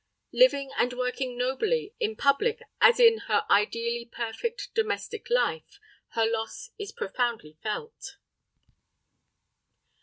Living and working nobly in public as in her ideally perfect domestic life, her loss is profoundly felt.